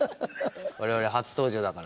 我々初登場だから。